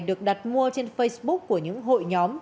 được đặt mua trên facebook của những hội nhóm